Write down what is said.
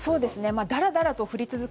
だらだらと降り続く